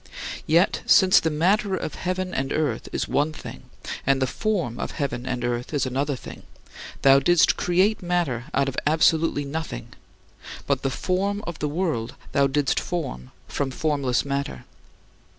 Yet, since the matter of heaven and earth is one thing and the form of heaven and earth is another thing, thou didst create matter out of absolutely nothing (de omnino nihilo), but the form of the world thou didst form from formless matter (de informi materia).